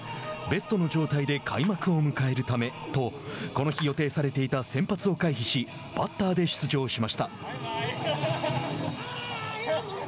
ベストの状態で開幕を迎えるためとこの日予定されていた先発を回避しバッターで出場しました。